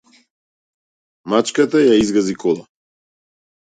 Мачката ја изгази кола.